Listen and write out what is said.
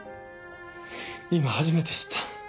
今初めて知った。